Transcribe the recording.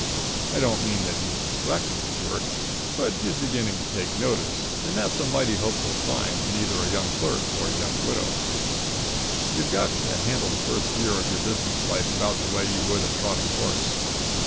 I don't mean that he's neglecting his work; but he's beginning to take notice, and that's a mighty hopeful sign in either a young clerk or a young widow. You've got to handle the first year of your business life about the way you would a trotting horse.